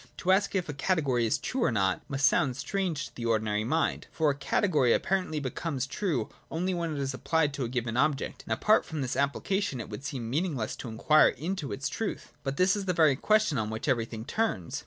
To ask if a category is true or not, must sound strange to the ordinary mind : for a category apparently becomes true only when it is applied to a given object, and apart from this application it would seem meaningless to inquire into its truth. But this is the very question on which everything turns.